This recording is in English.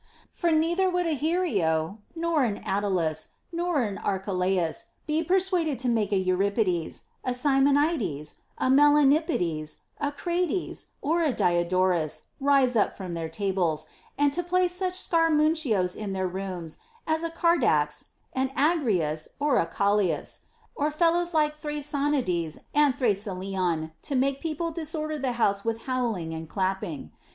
For neither would a Hiero nor an Attalus nor an Archelaus be persuaded to make a Euripides, a Simonides, a Melanippides, a Crates, or a Diodotus rise up from their tables, and to place such scaramuchios in their rooms as a Cardax, an Agrias, or a Callias, or fellows like Thrasonides and Thrasyleon, to make people disorder the house with hollowing and clap ping.